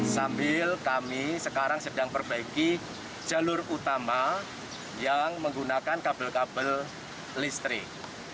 sambil kami sekarang sedang perbaiki jalur utama yang menggunakan kabel kabel listrik